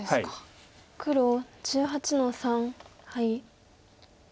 黒１８の三ハイ。